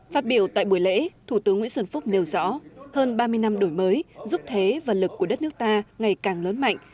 phát biểu tại buổi lễ thủ tướng nguyễn xuân phúc nêu rõ hơn ba mươi năm đổi mới giúp thế và lực của đất nước ta ngày càng lớn mạnh